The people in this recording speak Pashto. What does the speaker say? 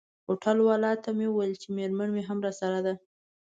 هوټل والاو ته مې وویل چي میرمن مي هم راسره ده.